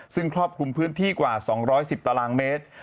ซึ่งครอบคลุมพื้นที่กว่า๒๑๐ตารางเมตร